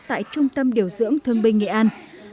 tại trung tâm điều dưỡng thương binh nghệ an